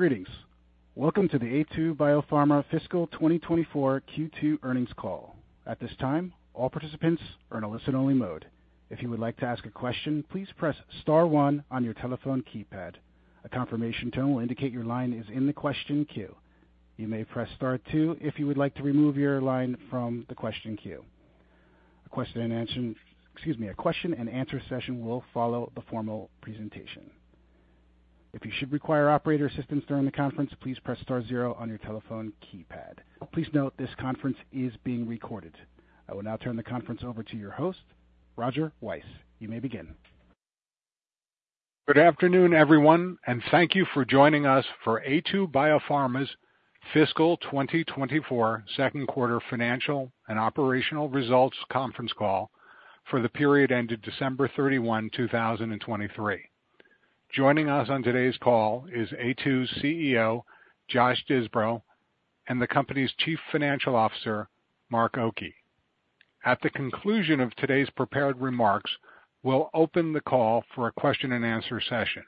Greetings. Welcome to the Aytu BioPharma fiscal 2024 Q2 earnings call. At this time, all participants are in a listen-only mode. If you would like to ask a question, please press star one on your telephone keypad. A confirmation tone will indicate your line is in the question queue. You may press star two if you would like to remove your line from the question queue. A question and answer, excuse me, a question and answer session will follow the formal presentation. If you should require operator assistance during the conference, please press star zero on your telephone keypad. Please note, this conference is being recorded. I will now turn the conference over to your host, Roger Weiss. You may begin. Good afternoon, everyone, and thank you for joining us for Aytu BioPharma's fiscal 2024 second quarter financial and operational results conference call for the period ended December 31, 2023. Joining us on today's call is Aytu's CEO, Josh Disbrow, and the company's Chief Financial Officer, Mark Oki. At the conclusion of today's prepared remarks, we'll open the call for a question and answer session.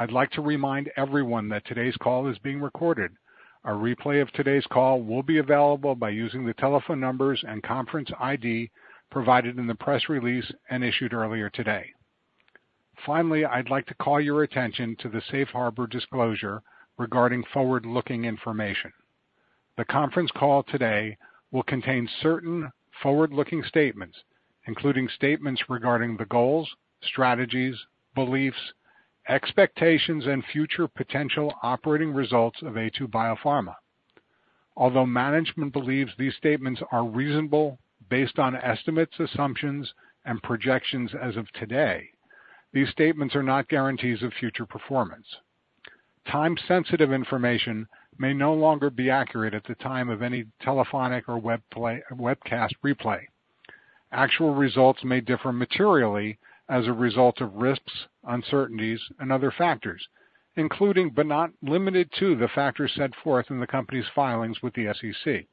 I'd like to remind everyone that today's call is being recorded. A replay of today's call will be available by using the telephone numbers and conference ID provided in the press release and issued earlier today. Finally, I'd like to call your attention to the Safe Harbor disclosure regarding forward-looking information. The conference call today will contain certain forward-looking statements, including statements regarding the goals, strategies, beliefs, expectations, and future potential operating results of Aytu BioPharma. Although management believes these statements are reasonable based on estimates, assumptions, and projections as of today, these statements are not guarantees of future performance. Time-sensitive information may no longer be accurate at the time of any telephonic or webcast replay. Actual results may differ materially as a result of risks, uncertainties, and other factors, including but not limited to the factors set forth in the company's filings with the SEC.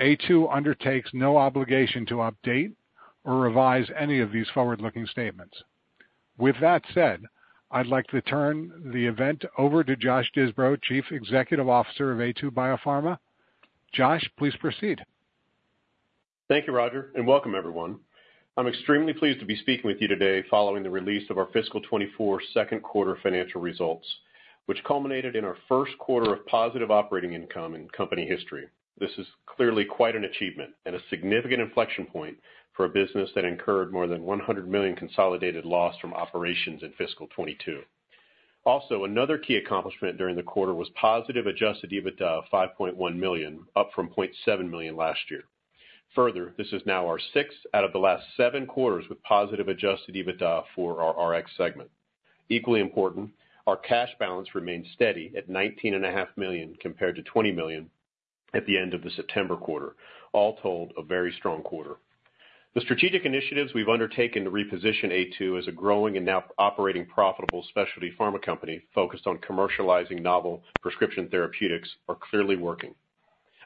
Aytu BioPharma undertakes no obligation to update or revise any of these forward-looking statements. With that said, I'd like to turn the event over to Josh Disbrow, Chief Executive Officer of Aytu BioPharma. Josh, please proceed. Thank you, Roger, and welcome, everyone. I'm extremely pleased to be speaking with you today following the release of our fiscal 2024 second quarter financial results, which culminated in our first quarter of positive operating income in company history. This is clearly quite an achievement and a significant inflection point for a business that incurred more than $100 million consolidated loss from operations in fiscal 2022. Also, another key accomplishment during the quarter was positive adjusted EBITDA of $5.1 million, up from $0.7 million last year. Further, this is now our sixth out of the last seven quarters with positive adjusted EBITDA for our Rx segment. Equally important, our cash balance remained steady at $19.5 million compared to $20 million at the end of the September quarter, all told a very strong quarter. The strategic initiatives we've undertaken to reposition Aytu as a growing and now operating profitable specialty pharma company focused on commercializing novel prescription therapeutics are clearly working.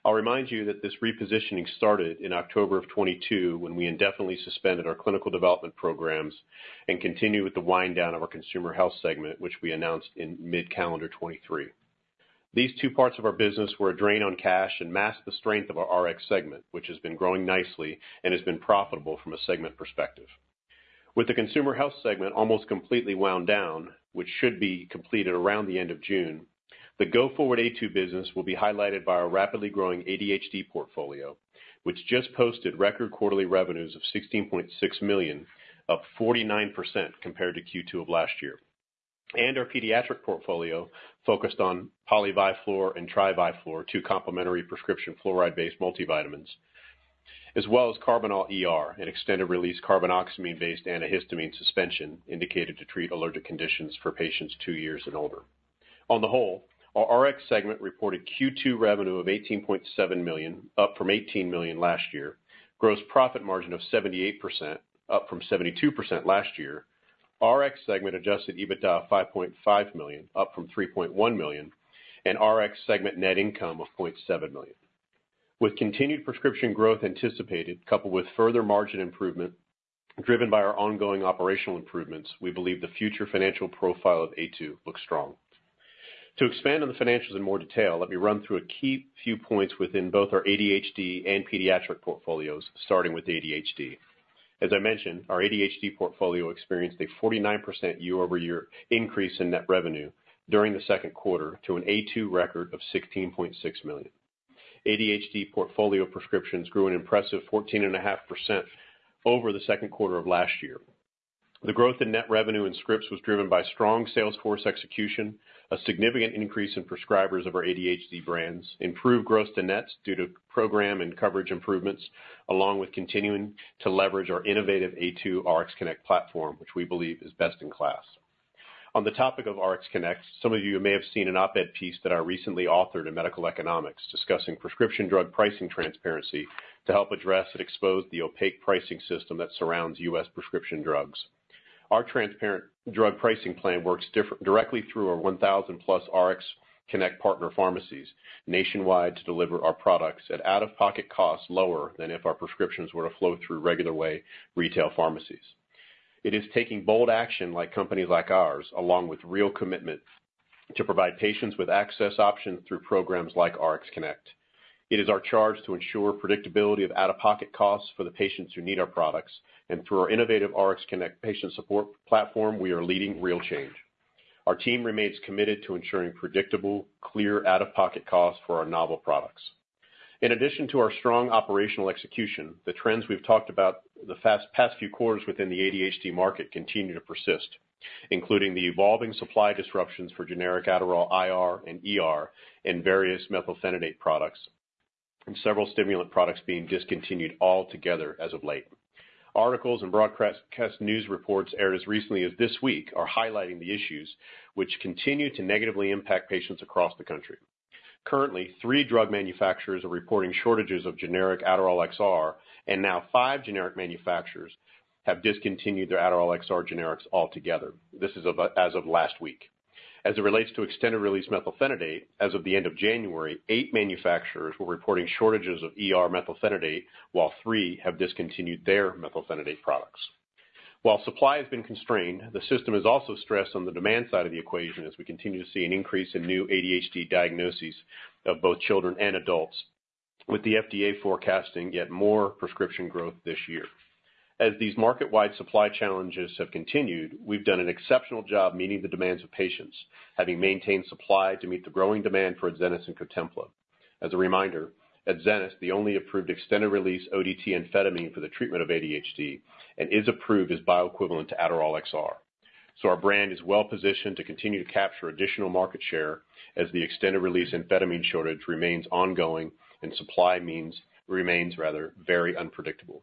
I'll remind you that this repositioning started in October of 2022 when we indefinitely suspended our clinical development programs and continued with the winddown of our Consumer Health segment, which we announced in mid-calendar 2023. These two parts of our business were a drain on cash and masked the strength of our Rx segment, which has been growing nicely and has been profitable from a segment perspective. With the Consumer Health segment almost completely wound down, which should be completed around the end of June, the go-forward Aytu business will be highlighted by our rapidly growing ADHD portfolio, which just posted record quarterly revenues of $16.6 million, up 49% compared to Q2 of last year, and our pediatric portfolio focused on Poly-Vi-Flor and Tri-Vi-Flor, two complementary prescription fluoride-based multivitamins, as well as Karbinal ER, an extended-release carbinoxamine-based antihistamine suspension indicated to treat allergic conditions for patients two years and older. On the whole, our Rx segment reported Q2 revenue of $18.7 million, up from $18 million last year, gross profit margin of 78%, up from 72% last year, Rx segment adjusted EBITDA of $5.5 million, up from $3.1 million, and Rx segment net income of $0.7 million. With continued prescription growth anticipated coupled with further margin improvement driven by our ongoing operational improvements, we believe the future financial profile of Aytu looks strong. To expand on the financials in more detail, let me run through a key few points within both our ADHD and pediatric portfolios, starting with ADHD. As I mentioned, our ADHD portfolio experienced a 49% year-over-year increase in net revenue during the second quarter to an Aytu record of $16.6 million. ADHD portfolio prescriptions grew an impressive 14.5% over the second quarter of last year. The growth in net revenue and scripts was driven by strong sales force execution, a significant increase in prescribers of our ADHD brands, improved gross-to-net due to program and coverage improvements, along with continuing to leverage our innovative Aytu RxConnect platform, which we believe is best in class. On the topic of RxConnect, some of you may have seen an op-ed piece that I recently authored in Medical Economics discussing prescription drug pricing transparency to help address and expose the opaque pricing system that surrounds U.S. prescription drugs. Our transparent drug pricing plan works directly through our 1,000+ RxConnect partner pharmacies nationwide to deliver our products at out-of-pocket costs lower than if our prescriptions were to flow through regular-way retail pharmacies. It is taking bold action like companies like ours, along with real commitment to provide patients with access options through programs like RxConnect. It is our charge to ensure predictability of out-of-pocket costs for the patients who need our products, and through our innovative RxConnect patient support platform, we are leading real change. Our team remains committed to ensuring predictable, clear out-of-pocket costs for our novel products. In addition to our strong operational execution, the trends we've talked about the past few quarters within the ADHD market continue to persist, including the evolving supply disruptions for generic Adderall IR and ER in various methylphenidate products, and several stimulant products being discontinued altogether as of late. Articles and broadcast news reports aired as recently as this week are highlighting the issues, which continue to negatively impact patients across the country. Currently, three drug manufacturers are reporting shortages of generic Adderall XR, and now five generic manufacturers have discontinued their Adderall XR generics altogether. This is as of last week. As it relates to extended-release methylphenidate, as of the end of January, eight manufacturers were reporting shortages of methylphenidate, while three have discontinued their methylphenidate products. While supply has been constrained, the system is also stressed on the demand side of the equation as we continue to see an increase in new ADHD diagnoses of both children and adults, with the FDA forecasting yet more prescription growth this year. As these market-wide supply challenges have continued, we've done an exceptional job meeting the demands of patients, having maintained supply to meet the growing demand for Adzenys and Cotempla. As a reminder, Adzenys, the only approved extended-release ODT amphetamine for the treatment of ADHD, is approved as bioequivalent to Adderall XR. So our brand is well positioned to continue to capture additional market share as the extended-release amphetamine shortage remains ongoing and supply remains rather very unpredictable.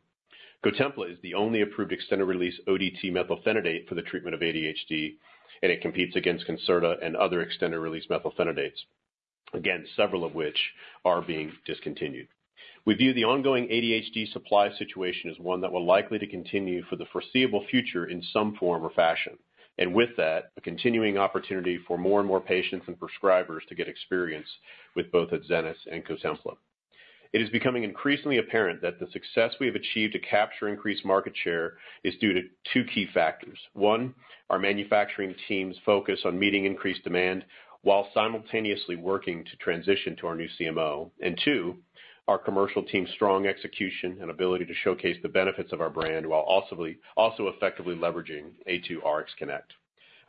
Cotempla is the only approved extended-release ODT methylphenidate for the treatment of ADHD, and it competes against Concerta and other extended-release methylphenidates, again, several of which are being discontinued. We view the ongoing ADHD supply situation as one that will likely continue for the foreseeable future in some form or fashion, and with that, a continuing opportunity for more and more patients and prescribers to get experience with both Adzenys and Cotempla. It is becoming increasingly apparent that the success we have achieved to capture increased market share is due to two key factors. One, our manufacturing team's focus on meeting increased demand while simultaneously working to transition to our new CMO, and two, our commercial team's strong execution and ability to showcase the benefits of our brand while also effectively leveraging Aytu RxConnect.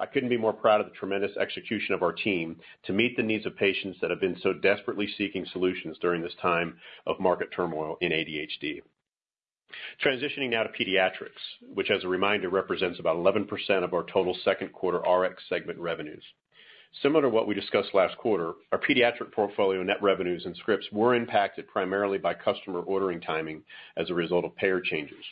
I couldn't be more proud of the tremendous execution of our team to meet the needs of patients that have been so desperately seeking solutions during this time of market turmoil in ADHD. Transitioning now to pediatrics, which as a reminder represents about 11% of our total second quarter Rx segment revenues. Similar to what we discussed last quarter, our pediatric portfolio net revenues and scripts were impacted primarily by customer ordering timing as a result of payer changes.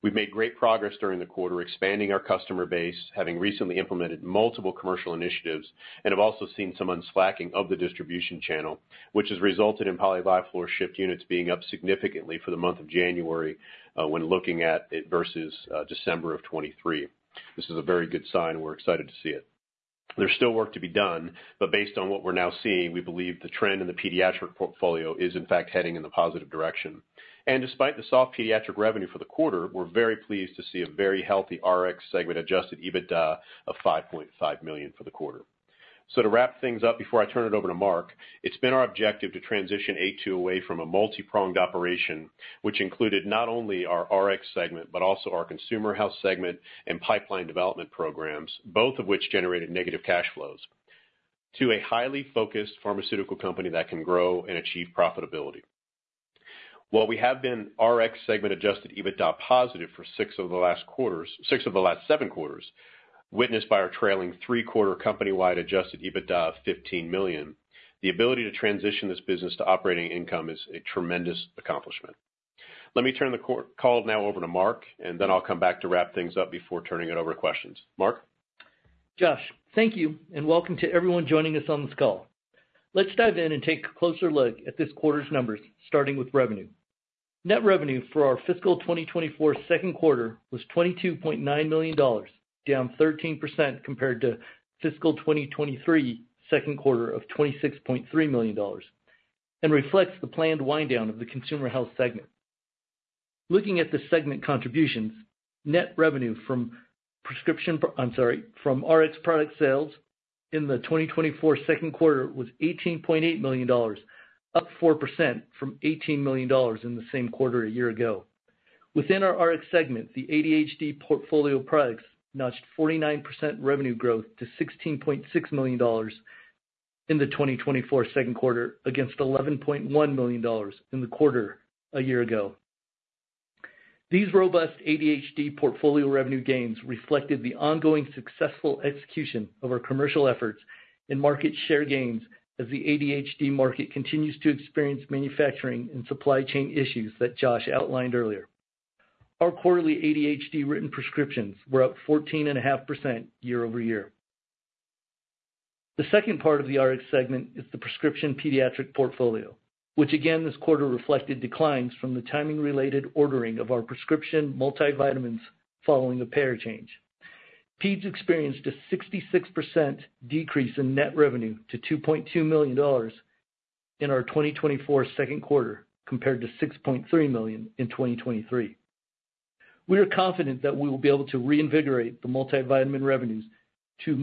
We've made great progress during the quarter expanding our customer base, having recently implemented multiple commercial initiatives, and have also seen some unstacking of the distribution channel, which has resulted in Poly-Vi-Flor ship units being up significantly for the month of January when looking at it versus December of 2023. This is a very good sign, and we're excited to see it. There's still work to be done, but based on what we're now seeing, we believe the trend in the pediatric portfolio is in fact heading in the positive direction. Despite the soft pediatric revenue for the quarter, we're very pleased to see a very healthy Rx segment adjusted EBITDA of $5.5 million for the quarter. To wrap things up before I turn it over to Mark, it's been our objective to transition Aytu away from a multi-pronged operation, which included not only our Rx segment but also our Consumer Health segment and pipeline development programs, both of which generated negative cash flows, to a highly focused pharmaceutical company that can grow and achieve profitability. While we have been Rx segment adjusted EBITDA positive for six of the last quarters, six of the last seven quarters, witnessed by our trailing three-quarter company-wide adjusted EBITDA of $15 million, the ability to transition this business to operating income is a tremendous accomplishment. Let me turn the call now over to Mark, and then I'll come back to wrap things up before turning it over to questions. Mark? Josh, thank you, and welcome to everyone joining us on this call. Let's dive in and take a closer look at this quarter's numbers, starting with revenue. Net revenue for our fiscal 2024 second quarter was $22.9 million, down 13% compared to fiscal 2023 second quarter of $26.3 million, and reflects the planned winddown of the Consumer Health segment. Looking at the segment contributions, net revenue from RX product sales in the 2024 second quarter was $18.8 million, up 4% from $18 million in the same quarter a year ago. Within our Rx segment, the ADHD portfolio products notched 49% revenue growth to $16.6 million in the 2024 second quarter against $11.1 million in the quarter a year ago. These robust ADHD portfolio revenue gains reflected the ongoing successful execution of our commercial efforts and market share gains as the ADHD market continues to experience manufacturing and supply chain issues that Josh outlined earlier. Our quarterly ADHD-written prescriptions were up 14.5% year-over-year. The second part of the Rx segment is the prescription pediatric portfolio, which again this quarter reflected declines from the timing-related ordering of our prescription multivitamins following a payer change. Peds experienced a 66% decrease in net revenue to $2.2 million in our 2024 second quarter compared to $6.3 million in 2023. We are confident that we will be able to reinvigorate the multivitamin revenues to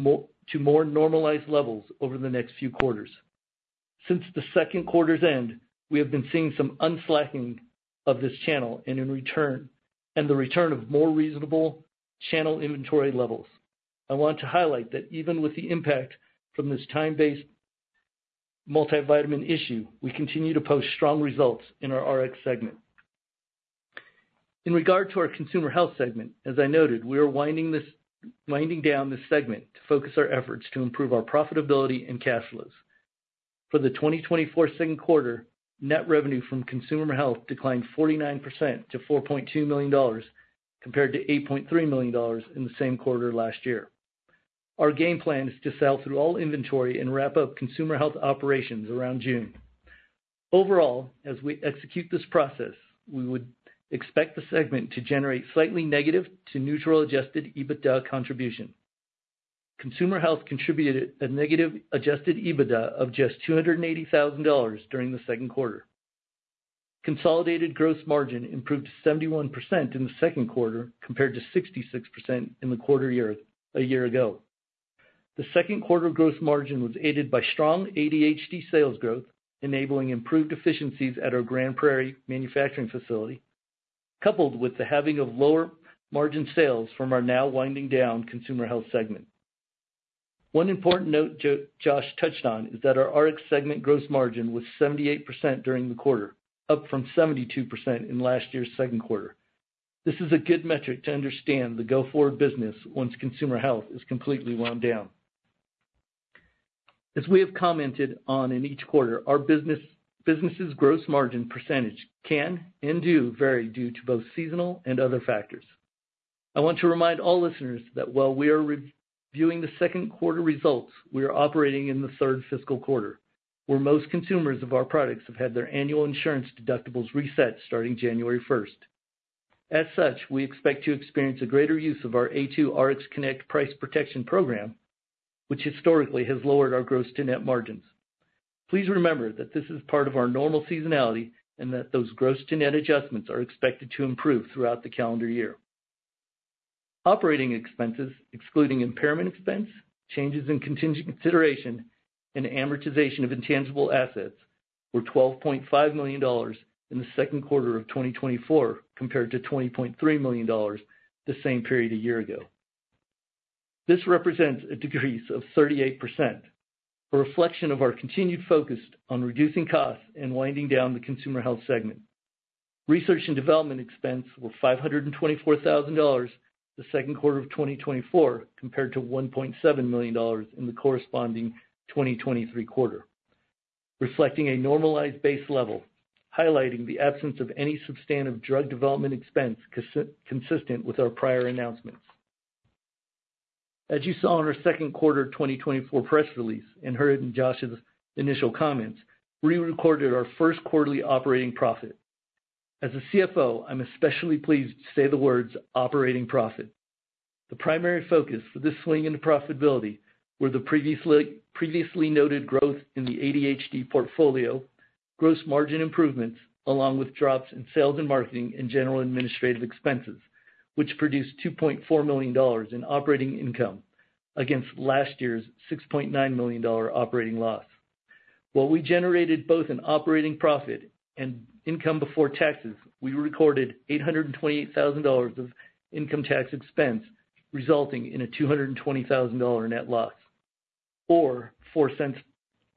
more normalized levels over the next few quarters. Since the second quarter's end, we have been seeing some unslacking of this channel and in return the return of more reasonable channel inventory levels. I want to highlight that even with the impact from this time-based multivitamin issue, we continue to post strong results in our Rx segment. In regard to our Consumer Health segment, as I noted, we are winding down this segment to focus our efforts to improve our profitability and cash flows. For the 2024 second quarter, net revenue from Consumer Health declined 49% to $4.2 million compared to $8.3 million in the same quarter last year. Our game plan is to sell through all inventory and wrap up Consumer Health operations around June. Overall, as we execute this process, we would expect the segment to generate slightly negative to neutral adjusted EBITDA contribution. Consumer Health contributed a negative adjusted EBITDA of just $280,000 during the second quarter. Consolidated gross margin improved 71% in the second quarter compared to 66% in the quarter a year ago. The second quarter gross margin was aided by strong ADHD sales growth, enabling improved efficiencies at our Grand Prairie manufacturing facility, coupled with the having of lower margin sales from our now winding down Consumer Health segment. One important note Josh touched on is that our Rx segment gross margin was 78% during the quarter, up from 72% in last year's second quarter. This is a good metric to understand the go-forward business once Consumer Health is completely wound down. As we have commented on in each quarter, our business's gross margin percentage can and do vary due to both seasonal and other factors. I want to remind all listeners that while we are reviewing the second quarter results, we are operating in the third fiscal quarter, where most consumers of our products have had their annual insurance deductibles reset starting January 1st. As such, we expect to experience a greater use of our Aytu RxConnect price protection program, which historically has lowered our gross-to-net margins. Please remember that this is part of our normal seasonality and that those gross-to-net adjustments are expected to improve throughout the calendar year. Operating expenses, excluding impairment expense, changes in consideration, and amortization of intangible assets, were $12.5 million in the second quarter of 2024 compared to $20.3 million the same period a year ago. This represents a decrease of 38%, a reflection of our continued focus on reducing costs and winding down the Consumer Health segment. Research and development expense were $524,000 the second quarter of 2024 compared to $1.7 million in the corresponding 2023 quarter, reflecting a normalized base level, highlighting the absence of any substantive drug development expense consistent with our prior announcements. As you saw in our second quarter 2024 press release and heard in Josh's initial comments, we recorded our first quarterly operating profit. As a CFO, I'm especially pleased to say the words operating profit. The primary focus for this swing into profitability were the previously noted growth in the ADHD portfolio, gross margin improvements, along with drops in sales and marketing and general administrative expenses, which produced $2.4 million in operating income against last year's $6.9 million operating loss. While we generated both an operating profit and income before taxes, we recorded $828,000 of income tax expense resulting in a $220,000 net loss or $0.04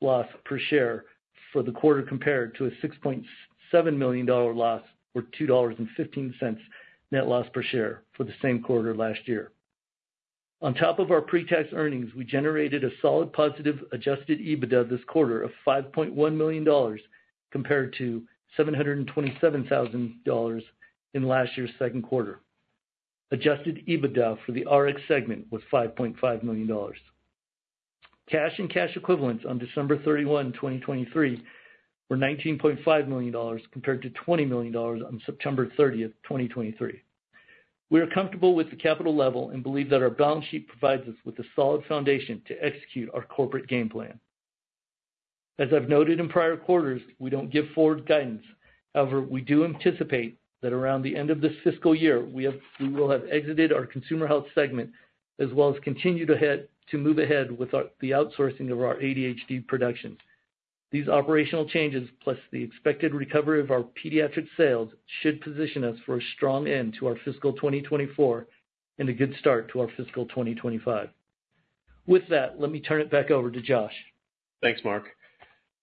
loss per share for the quarter compared to a $6.7 million loss or $2.15 net loss per share for the same quarter last year. On top of our pre-tax earnings, we generated a solid positive adjusted EBITDA this quarter of $5.1 million compared to $727,000 in last year's second quarter. Adjusted EBITDA for the Rx segment was $5.5 million. Cash and cash equivalents on December 31, 2023, were $19.5 million compared to $20 million on September 30th, 2023. We are comfortable with the capital level and believe that our balance sheet provides us with a solid foundation to execute our corporate game plan. As I've noted in prior quarters, we don't give forward guidance. However, we do anticipate that around the end of this fiscal year, we will have exited our Consumer Health segment as well as continue to move ahead with the outsourcing of our ADHD production. These operational changes, plus the expected recovery of our pediatric sales, should position us for a strong end to our fiscal 2024 and a good start to our fiscal 2025. With that, let me turn it back over to Josh. Thanks, Mark.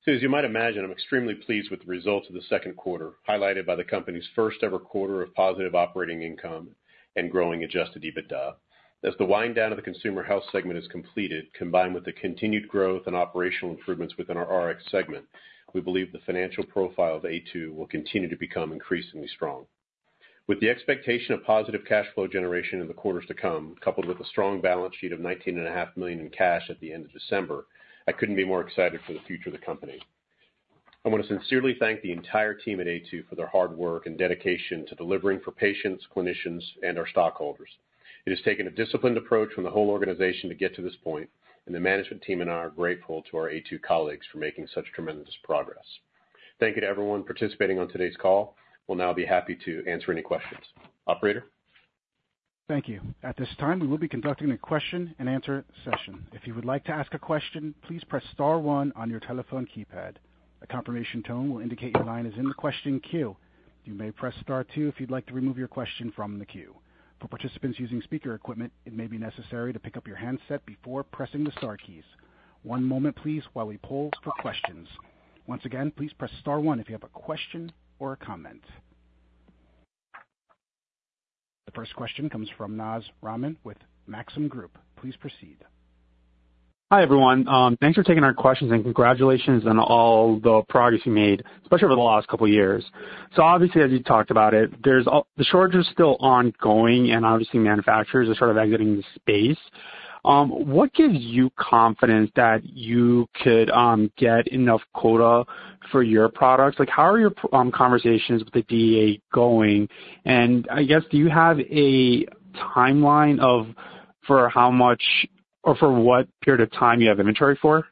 So, as you might imagine, I'm extremely pleased with the results of the second quarter, highlighted by the company's first-ever quarter of positive operating income and growing adjusted EBITDA. As the winddown of the Consumer Health segment is completed, combined with the continued growth and operational improvements within our Rx segment, we believe the financial profile of Aytu will continue to become increasingly strong. With the expectation of positive cash flow generation in the quarters to come, coupled with a strong balance sheet of $19.5 million in cash at the end of December, I couldn't be more excited for the future of the company. I want to sincerely thank the entire team at Aytu for their hard work and dedication to delivering for patients, clinicians, and our stockholders. It has taken a disciplined approach from the whole organization to get to this point, and the management team and I are grateful to our Aytu colleagues for making such tremendous progress. Thank you to everyone participating on today's call. We'll now be happy to answer any questions. Operator? Thank you. At this time, we will be conducting a question and answer session. If you would like to ask a question, please press star one on your telephone keypad. A confirmation tone will indicate your line is in the question queue. You may press star two if you'd like to remove your question from the queue. For participants using speaker equipment, it may be necessary to pick up your handset before pressing the star keys. One moment, please, while we poll for questions. Once again, please press star one if you have a question or a comment. The first question comes from Naz Rahman with Maxim Group. Please proceed. Hi, everyone. Thanks for taking our questions, and congratulations on all the progress you made, especially over the last couple of years. So obviously, as you talked about it, the shortage is still ongoing, and obviously, manufacturers are sort of exiting the space. What gives you confidence that you could get enough quota for your products? How are your conversations with the DEA going? And I guess, do you have a timeline for how much or for what period of time you have inventory for?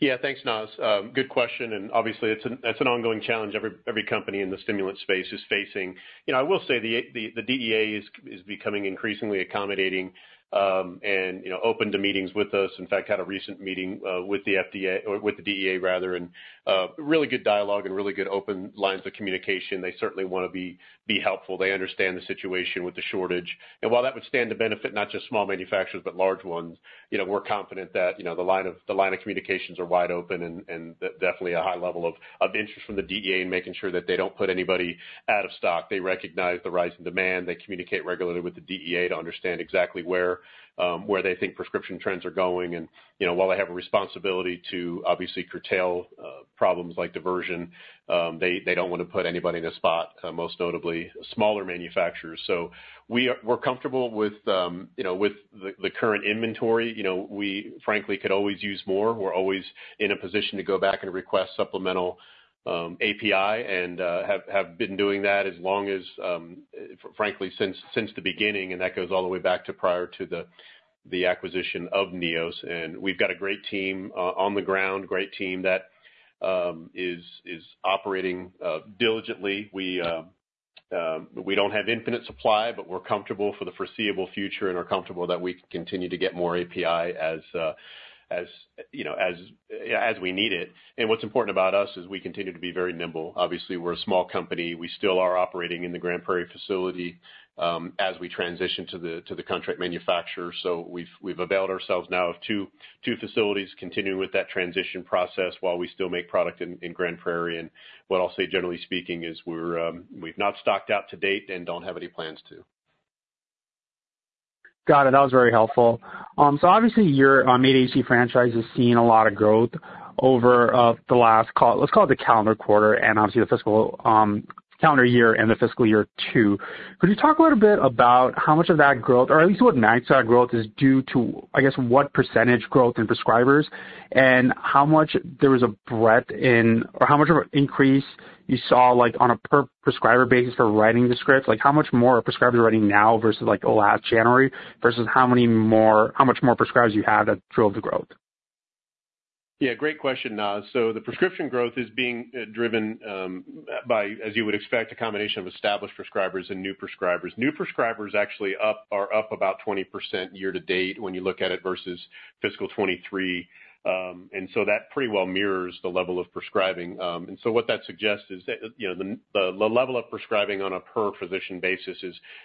Yeah, thanks, Naz. Good question. And obviously, it's an ongoing challenge every company in the stimulant space is facing. I will say the DEA is becoming increasingly accommodating and open to meetings with us. In fact, had a recent meeting with the FDA or with the DEA, rather, and really good dialogue and really good open lines of communication. They certainly want to be helpful. They understand the situation with the shortage. And while that would stand to benefit not just small manufacturers but large ones, we're confident that the line of communications are wide open and definitely a high level of interest from the DEA in making sure that they don't put anybody out of stock. They recognize the rise in demand. They communicate regularly with the DEA to understand exactly where they think prescription trends are going. While they have a responsibility to obviously curtail problems like diversion, they don't want to put anybody in a spot, most notably smaller manufacturers. We're comfortable with the current inventory. We, frankly, could always use more. We're always in a position to go back and request supplemental API and have been doing that as long as, frankly, since the beginning, and that goes all the way back to prior to the acquisition of Neos. We've got a great team on the ground, great team that is operating diligently. We don't have infinite supply, but we're comfortable for the foreseeable future and are comfortable that we can continue to get more API as we need it. What's important about us is we continue to be very nimble. Obviously, we're a small company. We still are operating in the Grand Prairie facility as we transition to the contract manufacturer. So we've availed ourselves now of two facilities, continuing with that transition process while we still make product in Grand Prairie. And what I'll say, generally speaking, is we've not stocked out to date and don't have any plans to. Got it. That was very helpful. So obviously, your ADHD franchise is seeing a lot of growth over the last call, let's call it the calendar quarter, and obviously, the fiscal calendar year and the fiscal year two. Could you talk a little bit about how much of that growth, or at least what magnitude that growth is due to, I guess, what percentage growth in prescribers and how much there was a breadth in or how much of an increase you saw on a prescriber basis for writing the scripts? How much more are prescribers writing now versus last January versus how much more prescribers you have that drove the growth? Yeah, great question, Naz. So the prescription growth is being driven by, as you would expect, a combination of established prescribers and new prescribers. New prescribers actually are up about 20% year to date when you look at it versus fiscal 2023. And so that pretty well mirrors the level of prescribing. And so what that suggests is the level of prescribing on a per-physician basis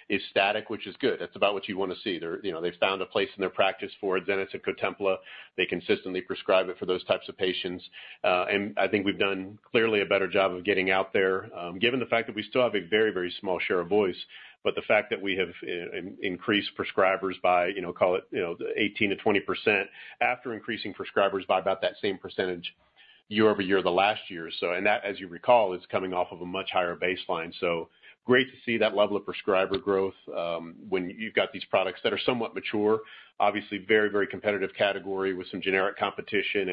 is static, which is good. That's about what you want to see. They've found a place in their practice for Adzenys and Cotempla. They consistently prescribe it for those types of patients. And I think we've done clearly a better job of getting out there, given the fact that we still have a very, very small share of voice. But the fact that we have increased prescribers by, call it 18%-20%, after increasing prescribers by about that same percentage year-over-year the last year. And that, as you recall, is coming off of a much higher baseline. So great to see that level of prescriber growth when you've got these products that are somewhat mature, obviously, very, very competitive category with some generic competition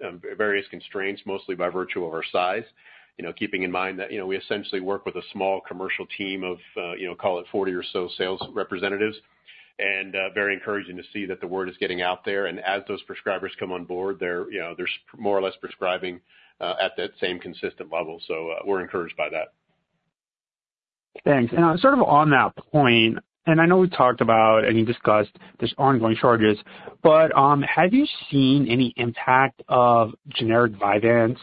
and various constraints, mostly by virtue of our size, keeping in mind that we essentially work with a small commercial team of, call it 40 or so sales representatives. And very encouraging to see that the word is getting out there. And as those prescribers come on board, they're more or less prescribing at that same consistent level. So we're encouraged by that. Thanks. And sort of on that point, and I know we talked about and you discussed this ongoing shortages, but have you seen any impact of generic Vyvanse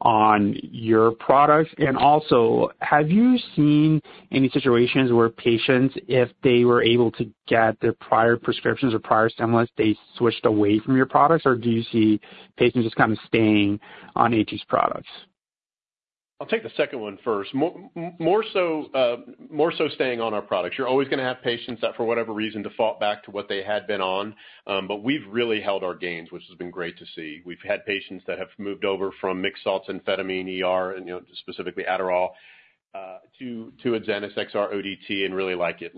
on your products? And also, have you seen any situations where patients, if they were able to get their prior prescriptions or prior stimulants, they switched away from your products? Or do you see patients just kind of staying on Aytu's products? I'll take the second one first, more so staying on our products. You're always going to have patients that, for whatever reason, default back to what they had been on. But we've really held our gains, which has been great to see. We've had patients that have moved over from mixed salts, amphetamine, specifically Adderall, to Adzenys XR-ODT and really like it,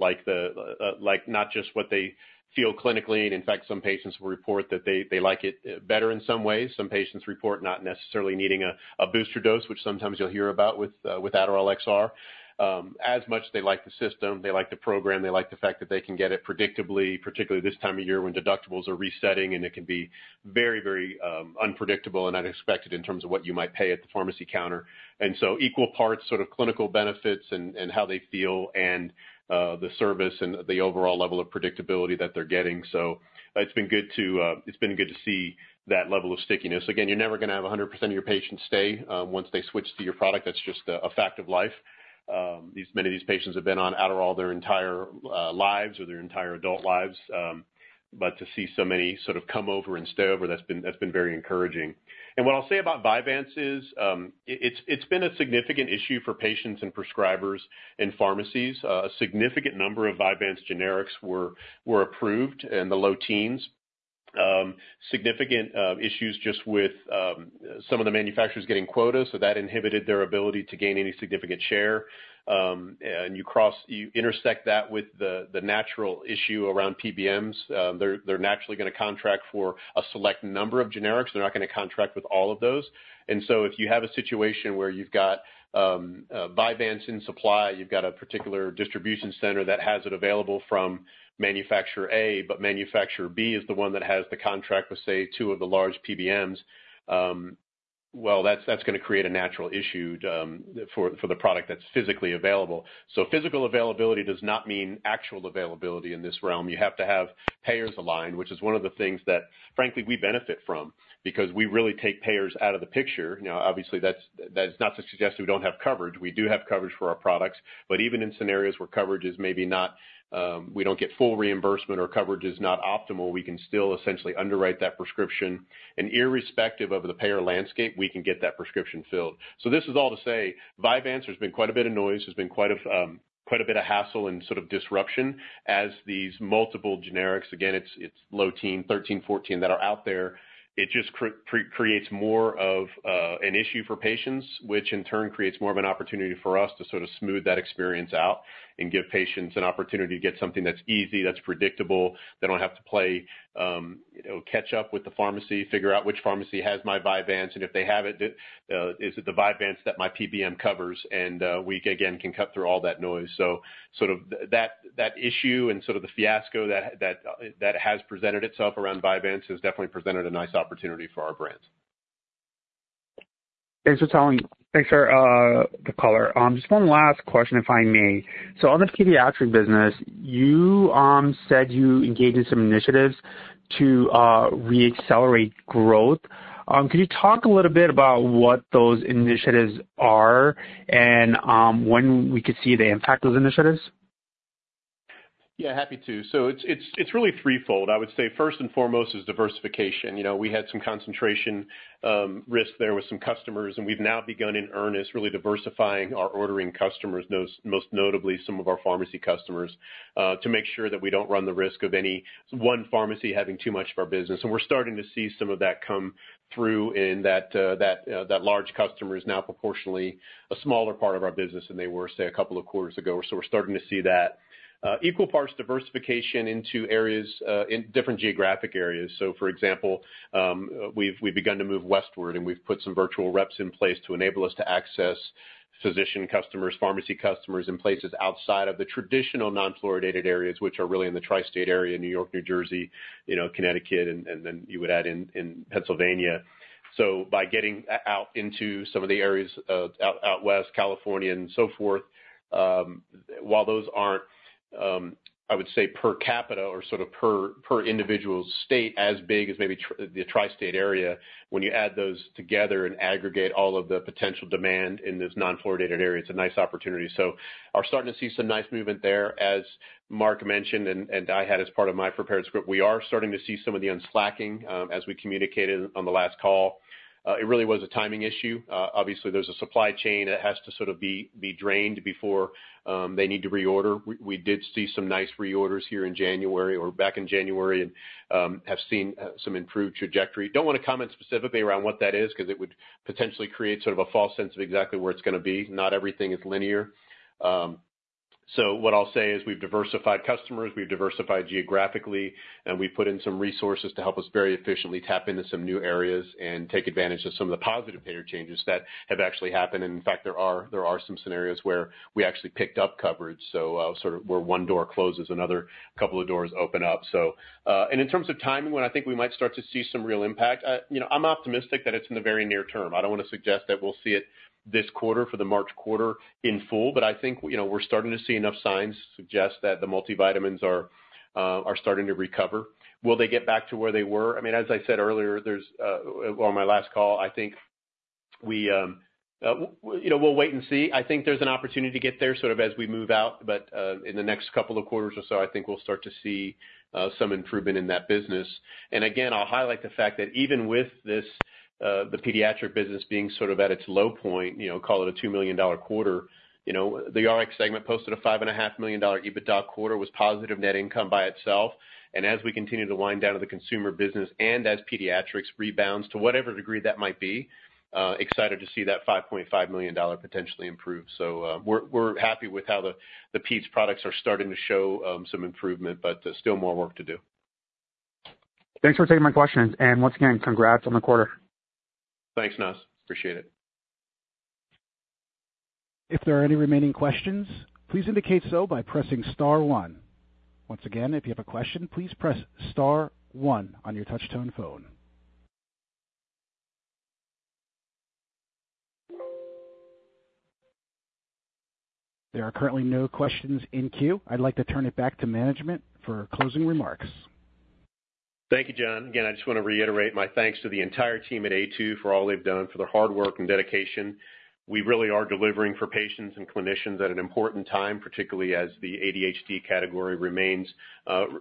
not just what they feel clinically. And in fact, some patients will report that they like it better in some ways. Some patients report not necessarily needing a booster dose, which sometimes you'll hear about with Adderall XR. As much as they like the system, they like the program, they like the fact that they can get it predictably, particularly this time of year when deductibles are resetting and it can be very, very unpredictable and unexpected in terms of what you might pay at the pharmacy counter. So equal parts sort of clinical benefits and how they feel and the service and the overall level of predictability that they're getting. It's been good to see that level of stickiness. Again, you're never going to have 100% of your patients stay once they switch to your product. That's just a fact of life. Many of these patients have been on Adderall their entire lives or their entire adult lives. But to see so many sort of come over and stay over, that's been very encouraging. And what I'll say about Vyvanse is it's been a significant issue for patients and prescribers in pharmacies. A significant number of Vyvanse generics were approved in the low teens. Significant issues just with some of the manufacturers getting quota. So that inhibited their ability to gain any significant share. And you intersect that with the natural issue around PBMs. They're naturally going to contract for a select number of generics. They're not going to contract with all of those. And so if you have a situation where you've got Vyvanse in supply, you've got a particular distribution center that has it available from manufacturer A, but manufacturer B is the one that has the contract with, say, two of the large PBMs, well, that's going to create a natural issue for the product that's physically available. So physical availability does not mean actual availability in this realm. You have to have payers aligned, which is one of the things that, frankly, we benefit from because we really take payers out of the picture. Obviously, that's not to suggest that we don't have coverage. We do have coverage for our products. But even in scenarios where coverage is maybe not, we don't get full reimbursement or coverage is not optimal, we can still essentially underwrite that prescription. And irrespective of the payer landscape, we can get that prescription filled. So this is all to say Vyvanse has been quite a bit of noise, has been quite a bit of hassle and sort of disruption as these multiple generics, again, it's low teen, 13, 14, that are out there. It just creates more of an issue for patients, which in turn creates more of an opportunity for us to sort of smooth that experience out and give patients an opportunity to get something that's easy, that's predictable. They don't have to play catch up with the pharmacy, figure out which pharmacy has my Vyvanse, and if they have it, is it the Vyvanse that my PBM covers? We, again, can cut through all that noise. So sort of that issue and sort of the fiasco that has presented itself around Vyvanse has definitely presented a nice opportunity for our brand. Thanks for telling me. Thanks for the color. Just one last question, if I may. So on the pediatric business, you said you engage in some initiatives to reaccelerate growth. Could you talk a little bit about what those initiatives are and when we could see the impact of those initiatives? Yeah, happy to. So it's really threefold, I would say. First and foremost is diversification. We had some concentration risk there with some customers, and we've now begun in earnest really diversifying our ordering customers, most notably some of our pharmacy customers, to make sure that we don't run the risk of any one pharmacy having too much of our business. And we're starting to see some of that come through in that large customer is now proportionally a smaller part of our business than they were, say, a couple of quarters ago. So we're starting to see that. Equal parts diversification into areas, different geographic areas. So for example, we've begun to move westward, and we've put some virtual reps in place to enable us to access physician customers, pharmacy customers in places outside of the traditional non-fluoridated areas, which are really in the tri-state area, New York, New Jersey, Connecticut, and then you would add in Pennsylvania. So by getting out into some of the areas out west, California, and so forth, while those aren't, I would say, per capita or sort of per individual state as big as maybe the tri-state area, when you add those together and aggregate all of the potential demand in this non-fluoridated area, it's a nice opportunity. So we're starting to see some nice movement there. As Mark mentioned and I had as part of my prepared script, we are starting to see some of the unslacking as we communicated on the last call. It really was a timing issue. Obviously, there's a supply chain that has to sort of be drained before they need to reorder. We did see some nice reorders here in January or back in January and have seen some improved trajectory. Don't want to comment specifically around what that is because it would potentially create sort of a false sense of exactly where it's going to be. Not everything is linear. So what I'll say is we've diversified customers. We've diversified geographically, and we've put in some resources to help us very efficiently tap into some new areas and take advantage of some of the positive payer changes that have actually happened. And in fact, there are some scenarios where we actually picked up coverage. So sort of where one door closes, another couple of doors open up. In terms of timing when I think we might start to see some real impact, I'm optimistic that it's in the very near term. I don't want to suggest that we'll see it this quarter for the March quarter in full, but I think we're starting to see enough signs suggest that the multivitamins are starting to recover. Will they get back to where they were? I mean, as I said earlier on my last call, I think we'll wait and see. I think there's an opportunity to get there sort of as we move out. But in the next couple of quarters or so, I think we'll start to see some improvement in that business. And again, I'll highlight the fact that even with the pediatric business being sort of at its low point, call it a $2 million quarter, the Rx segment posted a $5.5 million EBITDA quarter, was positive net income by itself. As we continue to wind down the consumer business and as pediatrics rebounds to whatever degree that might be, excited to see that $5.5 million potentially improve. So we're happy with how the peds products are starting to show some improvement, but still more work to do. Thanks for taking my questions. Once again, congrats on the quarter. Thanks, Naz. Appreciate it. If there are any remaining questions, please indicate so by pressing star one. Once again, if you have a question, please press star one on your touch-tone phone. There are currently no questions in queue. I'd like to turn it back to management for closing remarks. Thank you, John. Again, I just want to reiterate my thanks to the entire team at Aytu for all they've done, for their hard work and dedication. We really are delivering for patients and clinicians at an important time, particularly as the ADHD category remains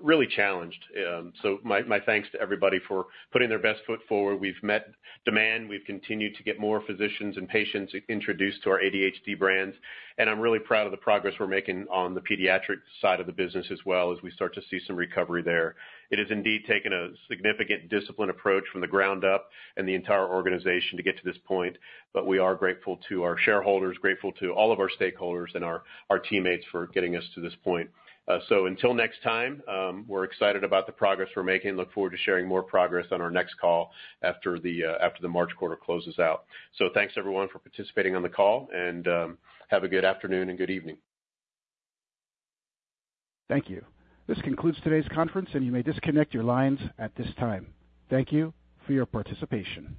really challenged. My thanks to everybody for putting their best foot forward. We've met demand. We've continued to get more physicians and patients introduced to our ADHD brands. I'm really proud of the progress we're making on the pediatric side of the business as well as we start to see some recovery there. It has indeed taken a significant disciplined approach from the ground up and the entire organization to get to this point. We are grateful to our shareholders, grateful to all of our stakeholders and our teammates for getting us to this point. So until next time, we're excited about the progress we're making. Look forward to sharing more progress on our next call after the March quarter closes out. So thanks, everyone, for participating on the call, and have a good afternoon and good evening. Thank you. This concludes today's conference, and you may disconnect your lines at this time. Thank you for your participation.